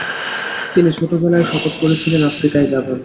তিনি ছোটবেলায় শপথ করেছিলেন আফ্রিকায় যাবেন।